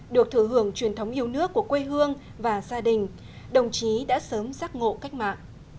được thừa hưởng truyền thống yêu nước của quê hương và gia đình đồng chí đã sớm giác ngộ cách mạng